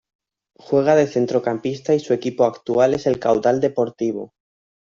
Juega de centrocampista y su equipo actual es el Caudal Deportivo.